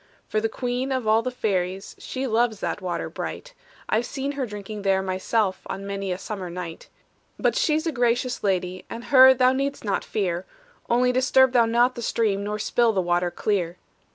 "For the queen of all the fairies, She loves that water bright; I've seen her drinking there myself On many a summer night. "But she's a gracious lady, And her thou need'st not fear; Only disturb thou not the stream, Nor spill the water clear."